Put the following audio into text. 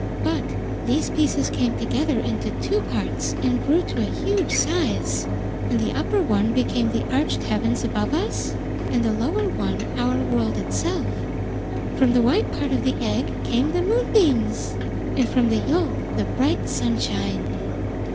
But these pieces came together into two parts and grew to a huge size, and the upper one became the arched heavens above us, and the lower one our world itself. From the white part of the egg came the moonbeams, and from the yolk the bright sunshine.